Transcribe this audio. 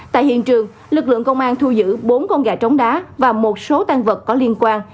tại hiện trường lực lượng công an thu giữ bốn con gà trống đá và một số tăng vật có liên quan